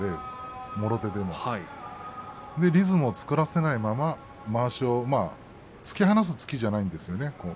もろ手でもリズムを作らせないまままわしを突き放す突きじゃないんですよね。